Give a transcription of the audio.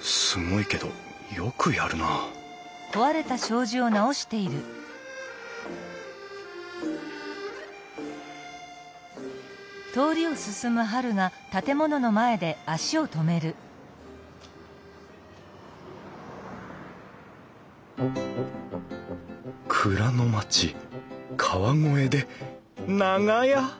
すごいけどよくやるなあ蔵の街川越で長屋！？